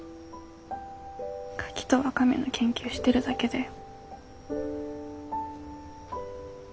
カキとワカメの研究してるだけだよ。